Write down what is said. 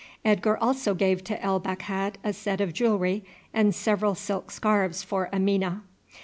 Edgar also gave to El Bakhat a set of jewellery and several silk scarves for Amina.